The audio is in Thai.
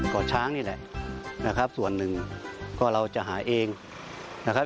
เกาะช้างนี่แหละนะครับส่วนหนึ่งก็เราจะหาเองนะครับ